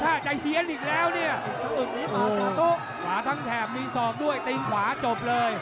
ทำท่าใจเฮียนอีกแล้วเนี่ยขวาทั้งแถบมีสองด้วยตริงขวาจบเลย